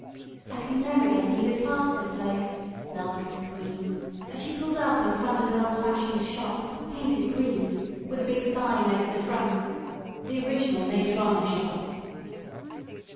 "I can never get Edith past this place," laughed Miss Green, as she pulled up in front of an old fashioned shop, painted green, with a big sign over the front: "THE ORIGINAL MAID OF HONOR SHOP."